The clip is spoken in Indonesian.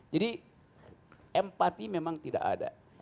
jadi empati memang tidak ada